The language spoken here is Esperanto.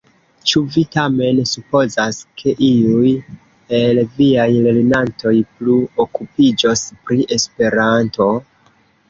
Ĉu vi tamen supozas, ke iuj el viaj lernantoj plu okupiĝos pri Esperanto?